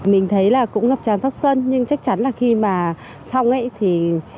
mình thấy là cũng ngập tràn sắc xuân nhưng chắc chắn là khi mà xong ấy thì